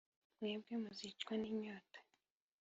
Mwebwe muzicwa n ‘inyota .